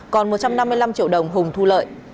còn một trăm năm mươi năm triệu đồng hùng thu lợi